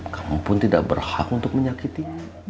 kamu pun tidak berhak untuk menyakiti